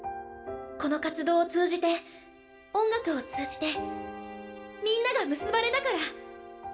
この活動を通じて音楽を通じてみんなが結ばれたから。